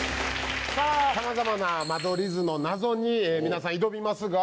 様々な間取り図の謎に皆さん挑みますが。